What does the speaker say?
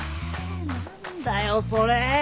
何だよそれ！